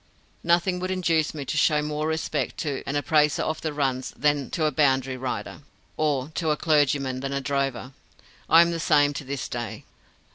Nothing would induce me to show more respect to an appraiser of the runs than to a boundary rider, or to a clergyman than a drover. I am the same to this day.